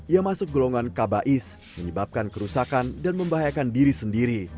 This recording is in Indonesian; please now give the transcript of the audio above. ia masuk golongan kabais menyebabkan kerusakan dan membahayakan diri sendiri